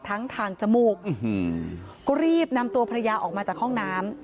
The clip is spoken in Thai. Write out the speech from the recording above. ทางจมูกก็รีบนำตัวภรรยาออกมาจากห้องน้ำ